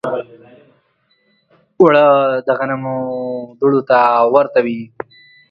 اوړه د غنمو دوړو ته ورته وي